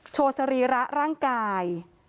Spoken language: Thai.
สรีระร่างกาย